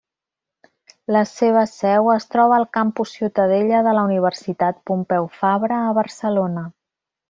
La seva seu es troba al Campus Ciutadella de la Universitat Pompeu Fabra, a Barcelona.